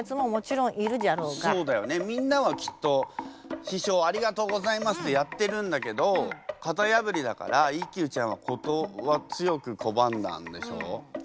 みんなはきっと「師匠ありがとうございます」ってやってるんだけどかたやぶりだから一休ちゃんは強くこばんだんでしょ？